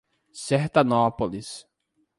Sertanópolis